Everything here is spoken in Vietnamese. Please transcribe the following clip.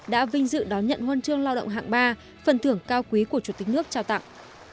đã vinh dự đón nhận huân chương lao động hạng ba phần thưởng cao quý của chủ tịch nước trao tặng